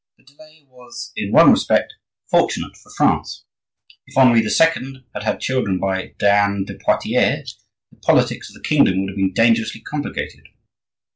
The delay was, in one respect, fortunate for France. If Henri II. had had children by Diane de Poitiers the politics of the kingdom would have been dangerously complicated.